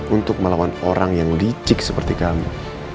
untuk melawan orang yang licik seperti kami